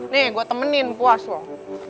nih gue temenin puas loh